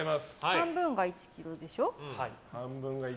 半分が１ｋｇでしょ。